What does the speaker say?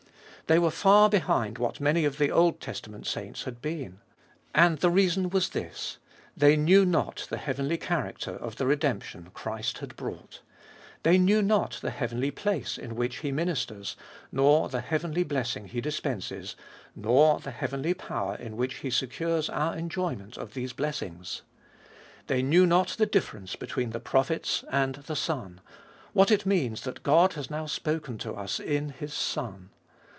They were far behind what many of the Old Testament saints had been ; and the reason was this — they knew not the heavenly character of the redemption Christ had brought. They knew not the heavenly place in which He ministers, nor the heavenly blessing He dispenses, nor the heavenly power in which He secures our enjoyment of these blessings. They knew not the difference between the prophets and the Son ; what it means that God has now spoken to us in His Son.